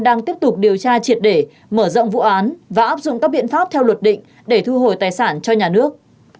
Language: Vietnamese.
đang tiếp tục điều tra triệt để mở rộng vụ án và áp dụng các biện pháp theo luật định để thu hồi tài sản cho nhà nước